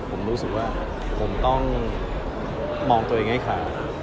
ผมรู้สึกว่าผมต้องมองตัวเองให้ขา